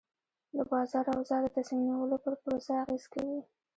د بازار اوضاع د تصمیم نیولو پر پروسه اغېز کوي.